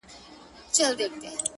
مخامخ وتراشل سوي بت ته گوري_